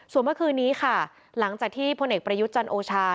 ส่วนเมื่อคืนนี้ค่ะหลังจากที่พลเอกประยุทธ์จันโอชา